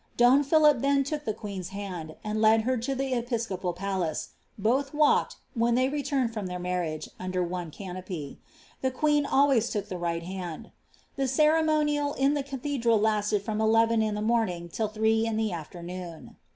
Don Philip then took tk queen's hand, and led her to the episcopal pakce ; both walked, wkn they returned from their marriage, under one canopy, llie queen alwt^ took the right hand. The ceremonki in the caUiedral lasted from denn m the morning till three in the afternoon.